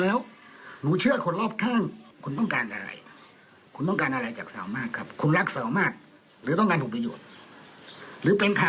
เลอเหรอสาวมาร์กกกกโอนไม่ได้สาวมารแล้วคุณหวังตรงนี้ใช่ปะ